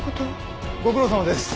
ご苦労さまです。